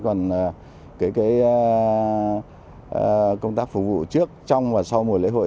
còn cái công tác phục vụ trước trong và sau mùa lễ hội